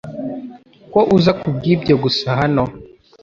ko uza kubwibyo gusa hano